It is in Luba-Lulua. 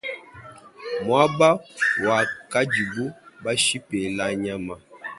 Muaba wakadibu bashipela nyama.